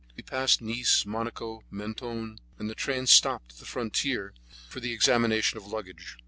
We passed Nice, Monaco, Mentone, and the train stopped at the frontier for the examination of luggage.